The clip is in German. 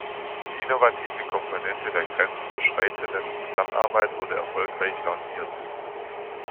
Die innovative Komponente der grenzüberschreitenden Zusammenarbeit wurde erfolgreich lanciert.